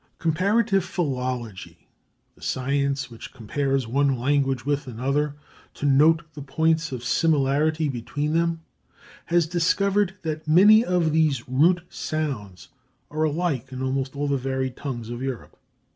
Comparative philology, the science which compares one language with another to note the points of similarity between them, has discovered that many of these root sounds are alike in almost all the varied tongues of Europe.